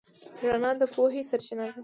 رڼا د پوهې سرچینه ده.